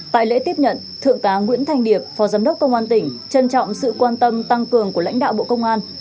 tại lễ tiếp nhận thượng tá nguyễn thanh điệp phó giám đốc công an tỉnh trân trọng sự quan tâm tăng cường của lãnh đạo bộ công an